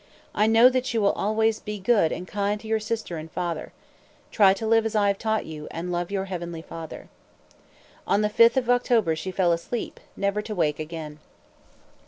I know that you will always be good and kind to your sister and father. Try to live as I have taught you, and to love your heavenly Father." On the 5th of October she fell asleep, never to wake again.